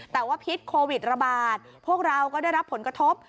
แต่ว่าพิษโควิดระบาดพวกเราก็ได้รับผลกระทบ